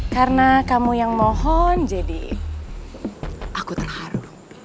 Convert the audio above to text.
karena kamu yang mohon jadi aku terharu